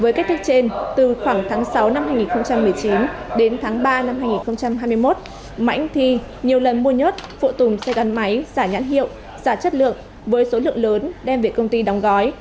với cách thức trên từ khoảng tháng sáu năm hai nghìn một mươi chín đến tháng ba năm hai nghìn hai mươi một mãnh thi nhiều lần mua nhớt phụ tùng xe gắn máy giả nhãn hiệu giả chất lượng với số lượng lớn đem về công ty đóng gói